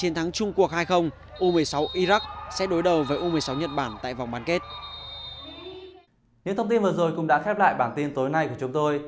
những thông tin vừa rồi cũng đã khép lại bản tin tối nay của chúng tôi